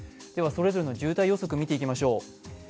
それぞれの渋滞予測を見ていきましょう。